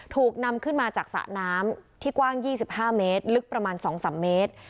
ถูกนำขึ้นมาจากสระน้ำที่กว้าง๒๕เมตรลึกประมาณ๒๓เมตร